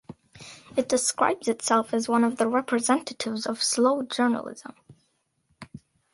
It describes itself as one of the representatives of slow journalism.